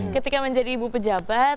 ketika menjadi ibu pejabat